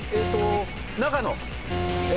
長野。